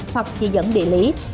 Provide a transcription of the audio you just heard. hoặc chỉ dẫn địa lý